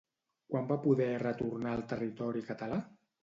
Quan va poder retornar al territori català?